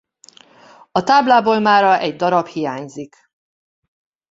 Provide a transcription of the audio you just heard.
A táblából mára egy darab hiányzik.